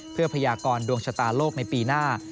เพื่อพยากรดวงชะตาโลกในปีหน้า